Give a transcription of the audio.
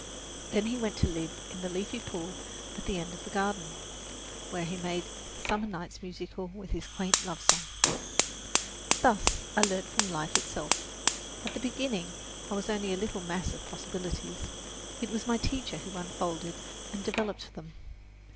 Then he went to live in the leafy pool at the end of the garden, where he made the summer nights musical with his quaint love song. Thus I learned from life itself. At the beginning I was only a little mass of possibilities. It was my teacher who unfolded and developed them.